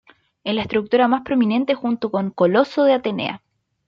Es la estructura más prominente junto con Coloso de Atenea.